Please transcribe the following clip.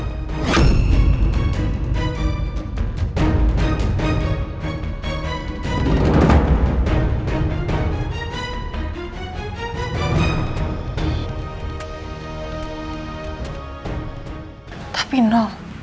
aku akan mencari kemampuan untuk membuatmu lebih baik